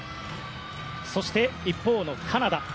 そして、一方のカナダ。